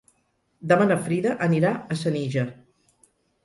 Demà na Frida anirà a Senija.